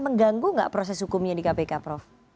mengganggu nggak proses hukumnya di kpk prof